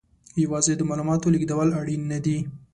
یوازې د معلوماتو لېږدول اړین نه دي.